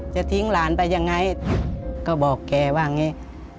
จะทิ้งหลานไปยังไงก็บอกแกว่าอย่างนี้